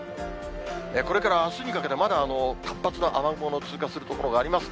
これからあすにかけて、まだ活発な雨雲の通過する所があります。